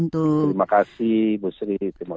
terima kasih bu sri